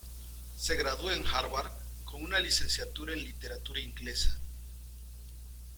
Se graduó en Harvard con una licenciatura en literatura Inglesa.